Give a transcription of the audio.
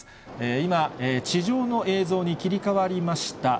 今、地上の映像に切り替わりました。